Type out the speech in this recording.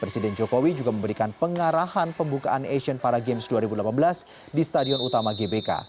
presiden jokowi juga memberikan pengarahan pembukaan asian para games dua ribu delapan belas di stadion utama gbk